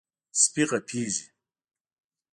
سپي غپېږي.